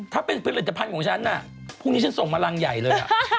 ถ้าเป็นผลิตภัณฑ์ของฉันน่ะพรุ่งนี้ฉันส่งมารังใหญ่เลย